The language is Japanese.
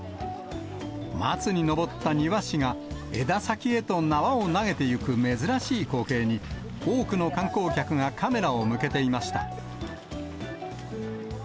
松に登った庭師が枝先へと縄を投げていく珍しい光景に、多くの観光客がカメラを向けていました。